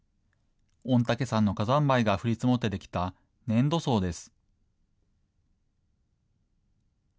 御嶽山の火山灰が降り積もってできた粘土層です。